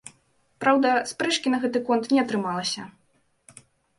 Праўда, спрэчкі на гэты конт не атрымалася.